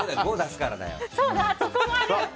そこもある。